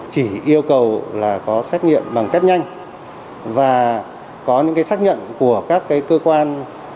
chỉ yêu cầu là có xét nghiệm bằng cách nhanh và có những cái xét nghiệm của các cái cơ quan